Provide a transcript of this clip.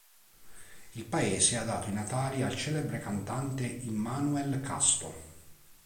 Il paese ha dato i natali al celebre cantante Immanuel Casto.